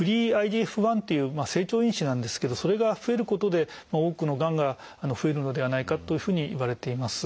１っていう成長因子なんですけどそれが増えることで多くのがんが増えるのではないかというふうにいわれています。